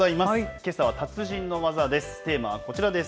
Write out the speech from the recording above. けさは達人の技です。